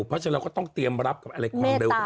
เพราะฉะนั้นเราก็ต้องเตรียมรับกับอะไรความเร็ว